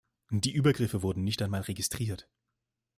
Die Übergriffe wurden nicht einmal registriert.